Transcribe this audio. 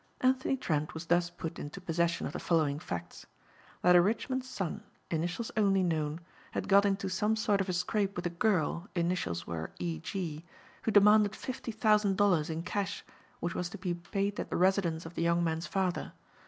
Anthony Trent was thus put into possession of the following facts. That a rich man's son, initials only known, had got into some sort of a scrape with a girl, initials were E.G., who demanded fifty thousand dollars in cash which was to be paid at the residence of the young man's father.